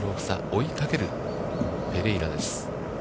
追いかけるペレイラです。